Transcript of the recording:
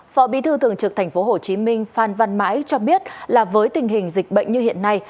phọ bí thư thường trực thành phố hồ chí minh phan văn mãi cho biết là với tình hình dịch bệnh như hiện nay